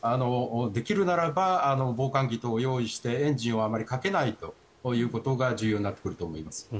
できるならば防寒着などを用意してエンジンはあまりかけないことが重要になってくると思います。